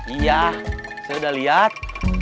iya saya udah lihat